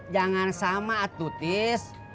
jangan sama tis